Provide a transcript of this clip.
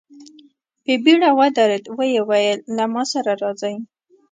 په بېړه ودرېد، ويې ويل: له ما سره راځئ!